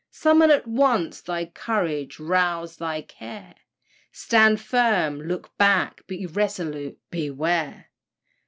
Summon at once thy courage rouse thy care; Stand firm, look back, be resolute, beware!